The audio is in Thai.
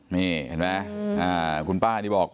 นี่เห็นไหมคุณป้านี่บอก